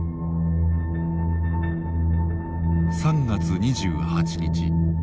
３月２８日